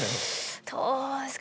どうですか？